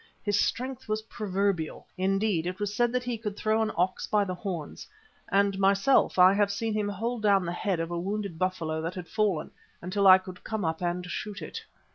His strength was proverbial; indeed, it was said that he could throw an ox by the horns, and myself I have seen him hold down the head of a wounded buffalo that had fallen, until I could come up and shoot it.